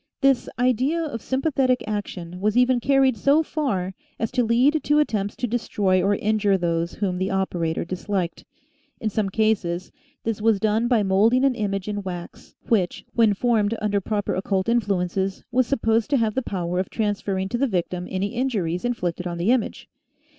This idea of sym pathetic action was even carried so far as to lead to attempts to destroy or injure those whom the operator disliked. In some cases this was done by moulding an image in wax which, when formed under proper occult influences, was supposed to have the power of transferring to the victim any injuries inflicted on the image.